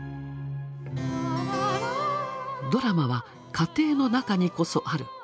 「ドラマは家庭の中にこそある」。